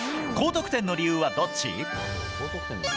高得点の理由はどっち？